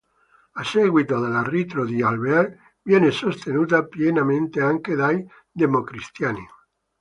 A seguito della ritiro di Alvear viene sostenuta pienamente anche dai democristiani.